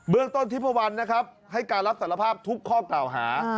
เรื่องต้นทิพวันนะครับให้การรับสารภาพทุกข้อกล่าวหา